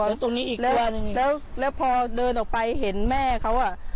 เหมือนตรงนี้อีกตัวนึงแล้วพอเดินออกไปเห็นแม่เขาอ่ะ